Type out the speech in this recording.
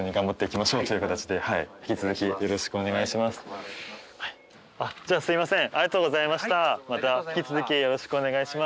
また引き続きよろしくお願いします。